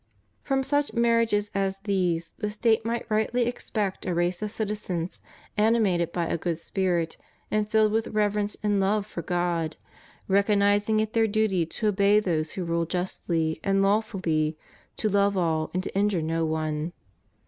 From such marriages as these CHRISTIAN MARRIAGE. 73 the State may rightly expect a race of citizens animated by a good spirit and filled with reverence and love for God, recognizing it their duty to obey those who rule justly and lawfully, to love all, and to injure no one.